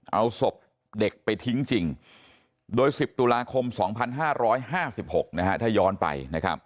เอาศพเด็กไปทิ้งจริงโดย๑๐ตุลาคม๒๕๕๖ถ้าย้อนไป